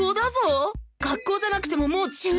学校じゃなくてももう中２だぞ？